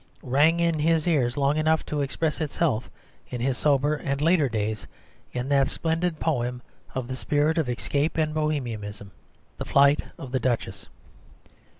rang in his ears long enough to express itself in his soberer and later days in that splendid poem of the spirit of escape and Bohemianism, The Flight of the Duchess.